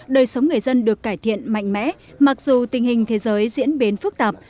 đời sống người dân được cải thiện mạnh mẽ mặc dù tình hình thế giới diễn biến phức tạp